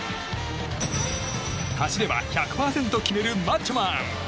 走れば１００％決めるマッチョマン！